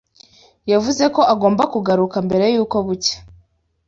Yavuze ko agomba kugaruka mbere yuko bucya.